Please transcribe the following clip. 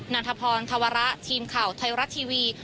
ันทพรธวระทีมข่าวไทยรัฐทีวี